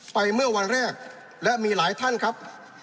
ไปเมื่อวันแรกและมีหลายท่านครับ